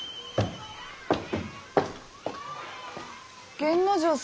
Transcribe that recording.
源之丞様。